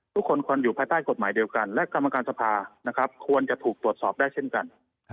ทุกคนควรอยู่ภายใต้กฎหมายเดียวกันและกรรมการสภาควรจะถูกตรวจสอบได้เช่นกัน